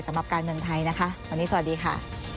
สำหรับการเมืองไทยนะคะวันนี้สวัสดีค่ะ